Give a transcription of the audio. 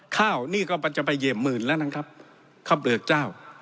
ข้าวนี่ก็มันจะไปเหยียบหมื่นแล้วนะครับข้าวเปลือกเจ้า